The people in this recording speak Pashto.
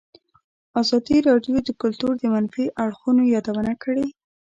ازادي راډیو د کلتور د منفي اړخونو یادونه کړې.